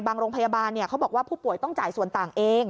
โรงพยาบาลเขาบอกว่าผู้ป่วยต้องจ่ายส่วนต่างเอง